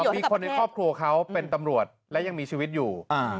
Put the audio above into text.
มีคนในครอบครัวเขาเป็นตำรวจและยังมีชีวิตอยู่